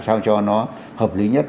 sao cho nó hợp lý nhất